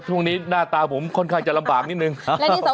พรุ่งนี้หน้าตาผมค่อนข้างจะลำบากนิดนึงครับ